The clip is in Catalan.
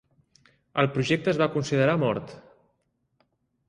El projecte es va considerar mort.